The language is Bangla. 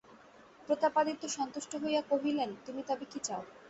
প্রতাপাদিত্য সন্তুষ্ট হইয়া কহিলেন, তুমি তবে কী চাও?